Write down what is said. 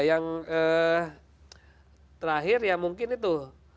yang terakhir ya mungkin itu